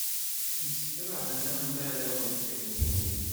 Msekṛahen am warraw n takniwin.